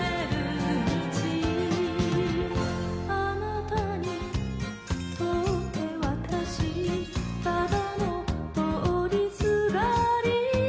「あなたにとって私ただの通りすがり」